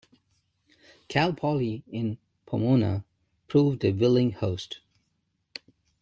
Cal Poly in Pomona proved a willing host.